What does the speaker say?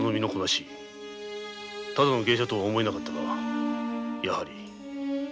ただの芸者とは思えなかったがやはり疾風！